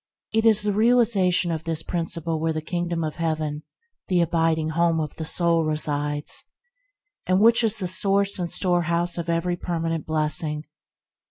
It is in the realization of this principle that the Kingdom of Heaven, the abiding home of the soul, resides, and this is the source and storehouse of every permanent blessing.